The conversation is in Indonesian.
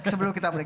sebelum kita break